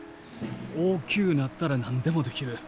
大きゅうなったら何でもできる。